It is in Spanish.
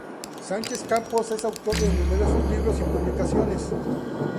Sánchez Campos es autor de numerosas libros y publicaciones.